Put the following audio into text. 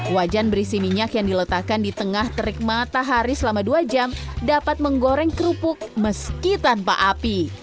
wajan berisi minyak yang diletakkan di tengah terik matahari selama dua jam dapat menggoreng kerupuk meski tanpa api